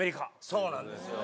そうなんですよ。